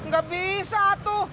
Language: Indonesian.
gak bisa tuh